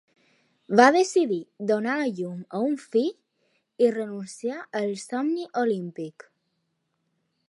Va decidir donar a llum a un fill i renunciar al somni olímpic.